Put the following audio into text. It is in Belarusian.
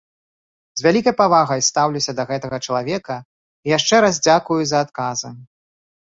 З вялікай павагай стаўлюся да гэтага чалавека і яшчэ раз дзякую за адказы.